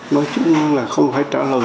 nói chung là không phải trả lời